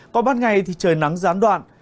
còn ban ngày thì trời nắng gián đoạn